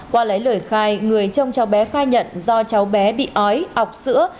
qua lấy lời khai người trông cháu bé khai nhận do cháu bé bị ói ọc sữa